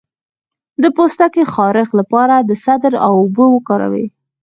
د پوستکي خارښ لپاره د سدر اوبه وکاروئ